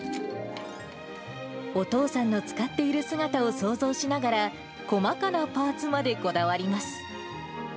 お父さんの使っている姿を想像しながら、細かなパーツまでこだわります。